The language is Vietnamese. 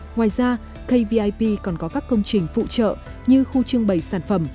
ngoài ra kvip còn có các công trình phụ trợ như khu trưng bày sản phẩm